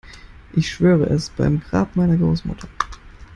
Ich schwöre es beim Grab meiner Großmutter.